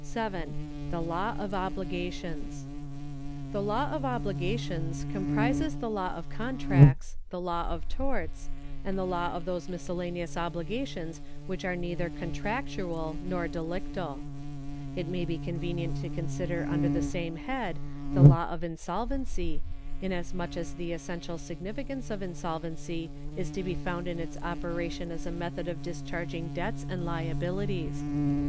7. The Law of Obligations. The law of obligations comprises the law of contracts, the law of torts, and the law of those miscellaneous obligations which are neither con tractual nor delictal. It may be convenient to consider under the same head the law of insolvency, inasmuch as the essential significance of insolvency is to be found in its operation as a method of discharging debts and liabilities.